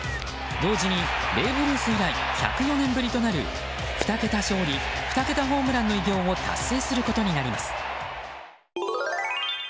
同時にベーブ・ルース以来１０４年ぶりとなる２桁勝利２桁ホームランの偉業を達成することになります。